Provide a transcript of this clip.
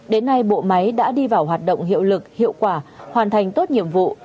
đến nay bộ máy đã đi vào hoạt động hiệu lực hiệu quả hoàn thành tốt nhiệm vụ